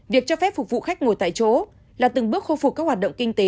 việc cho phép phục vụ khách ngồi tại chỗ là từng bước khôi phục các hoạt động kinh tế